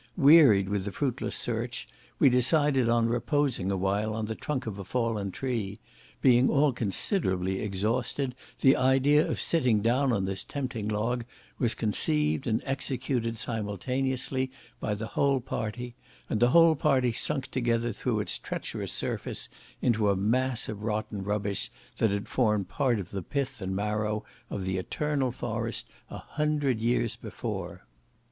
Wearied with the fruitless search, we decided on reposing awhile on the trunk of a fallen tree; being all considerably exhausted, the idea of sitting down on this tempting log was conceived and executed simultaneously by the whole party, and the whole party sunk together through its treacherous surface into a mass of rotten rubbish that had formed part of the pith and marrow of the eternal forest a hundred years before.